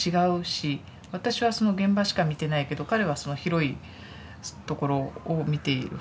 私はその現場しか見てないけど彼はその広いところを見ている。